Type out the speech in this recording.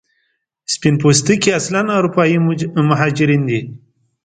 سپین پوستکي اصلا اروپایي مهاجرین دي.